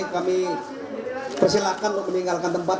kami persilahkan untuk meninggalkan tempat